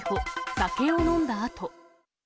酒を飲んだあと。